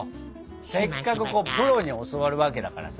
せっかくプロに教わるわけだからさ。